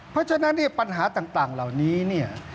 เพราะฉะนั้นเนี่ยปัญหาต่างเหล่านี้เนี่ย